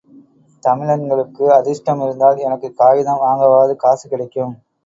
தமிழன்களுக்கு அதிர்ஷடம் இருந்தால், எனக்குக் காகிதம் வாங்கவாவது காசு கிடைக்கும்.